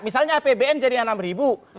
misalnya apbn jadi anak pemerintahan